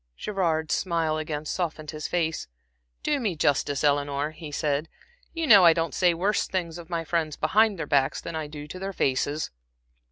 Gerard's smile again softened his face. "Do me justice, Eleanor," he said. "You know I don't say worse things of my friends behind their backs than I do to their faces."